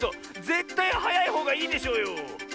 ぜったいはやいほうがいいでしょうよ！